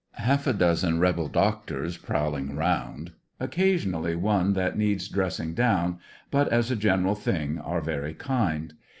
Half a dozen rebel doctDrs prowling around, occasionally one that needs dressing down, but as a general thing are very kind.